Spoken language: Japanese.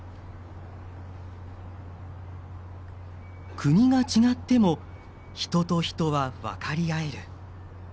国が違っても人と人は分かり合える。